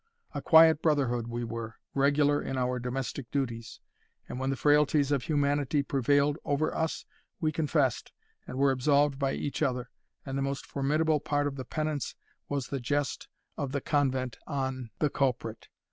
A quiet brotherhood we were, regular in our domestic duties; and when the frailties of humanity prevailed over us, we confessed, and were absolved by each other, and the most formidable part of the penance was the jest of the convent on the culprit.